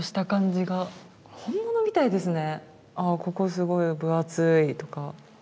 ここすごい分厚いとか。